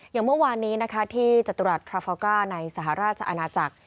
อย่างเมื่อวานนี้นะคะที่จตุรัสคาฟาก้าในสหราชอาณาจักร